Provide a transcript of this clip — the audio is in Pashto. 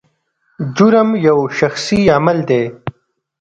جرم یو شخصي عمل دی.